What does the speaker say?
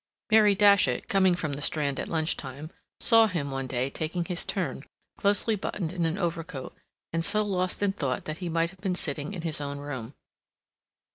Mary Datchet, coming from the Strand at lunch time, saw him one day taking his turn, closely buttoned in an overcoat, and so lost in thought that he might have been sitting in his own room.